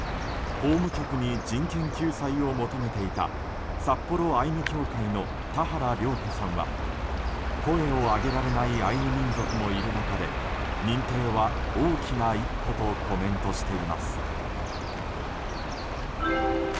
法務局に人権救済を求めていた札幌アイヌ協会の多原良子さんは声を上げられないアイヌ民族もいる中で認定は大きな一歩とコメントしています。